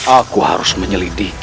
aku harus menyelidiki